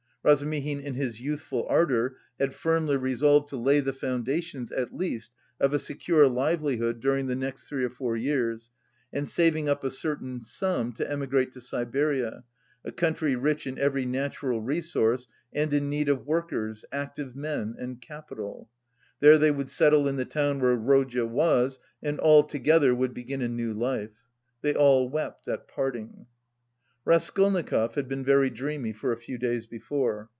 Razumihin, in his youthful ardour, had firmly resolved to lay the foundations at least of a secure livelihood during the next three or four years, and saving up a certain sum, to emigrate to Siberia, a country rich in every natural resource and in need of workers, active men and capital. There they would settle in the town where Rodya was and all together would begin a new life. They all wept at parting. Raskolnikov had been very dreamy for a few days before.